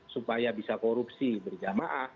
supaya bisa korupsi berjamaah